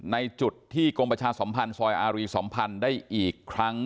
ในจุดที่กรมประชาสมพันธ์ซอยอารีสัมพันธ์ได้อีกครั้ง